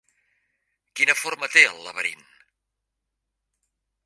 Quina forma té el laberint?